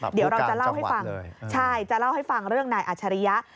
แบบผู้การจังหวัดเลยใช่จะเล่าให้ฟังเรื่องนายอาชารียะ